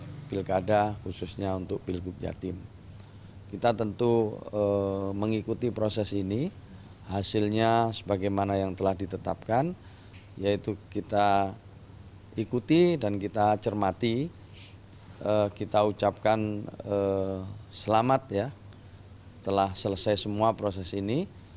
kepada bilkada khususnya untuk bilkub jatim kita tentu mengikuti proses ini hasilnya sebagaimana yang telah ditetapkan yaitu kita ikuti dan kita cermati kita ucapkan selamat ya telah selesai semua proses ini